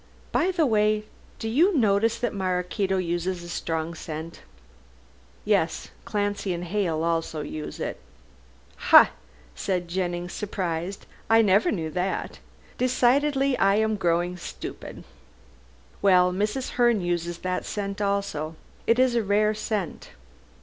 By the way, do you notice that Maraquito uses a strong scent?" "Yes. Clancy and Hale also use it." "Ha!" said Jennings, surprised. "I never knew that. Decidedly, I am growing stupid. Well, Mrs. Herne uses that scent also. It is a rare scent."